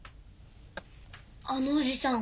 あのおじさん